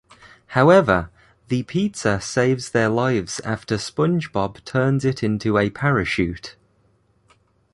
However, the pizza saves their lives after SpongeBob turns it into a parachute.